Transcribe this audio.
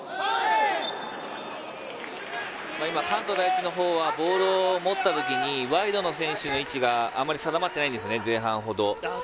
今、関東第一のほうはボールを持った時にワイドの選手の位置があまり定まってないんですよね、前半ほど。